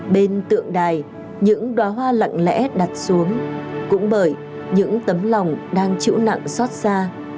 bên tượng đài những đoá hoa lặng lẽ đặt xuống cũng bởi những tấm lòng đang chịu nặng xót xa